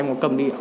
em có cầm đi